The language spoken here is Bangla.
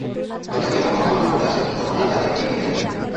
একটা মেয়ে কখন মামলা করতে আসে, যখন তার দেয়ালে পিঠ ঠেকে যায়।